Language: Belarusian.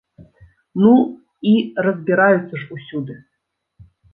Ну, і разбіраюцца ж усюды.